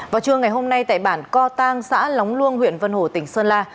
vào trưa ngày hôm nay tại bản co tăng xã lóng luông huyện vân hồ tỉnh sơn la